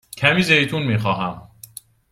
کمی زیتون می خواهم.